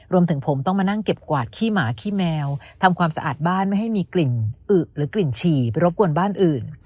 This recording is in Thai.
รวมถึงผมต้องมานั่งเก็บกวาดขี้หมาขี้แมวทำความสะอาดบ้านไม่ให้มีกลิ่นอึหรือกลิ่นฉี่ไปรบกวนบ้านอื่น